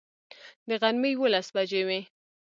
د غرمې یوولس بجې وې.